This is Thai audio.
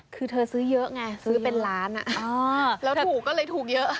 คือเธอซื้อเยอะไงซื้อเป็นล้านแล้วถูกก็เลยถูกเยอะ